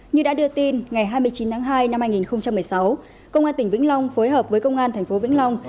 như đã đưa tin ngày hai mươi chín tháng hai năm hai nghìn một mươi sáu công an tỉnh vĩnh long phối hợp với công an thành phố vĩnh long